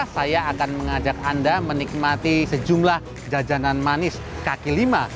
saya akan mengajak anda menikmati sejumlah jajanan manis kaki lima